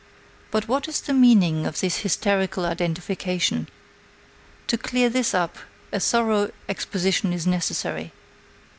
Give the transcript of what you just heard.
But what is the meaning of this hysterical identification? To clear this up a thorough exposition is necessary.